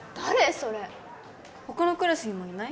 それ他のクラスにもいない？